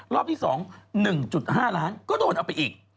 รอบที่๒๑๕ล้านก็โดนเอาไปอีก